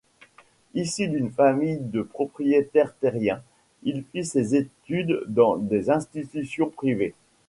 Issu d'une famille de propriétaires terriens, il fit ses études dans des institutions privées.